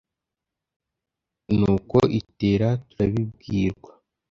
Nu ko itera turabibwirwa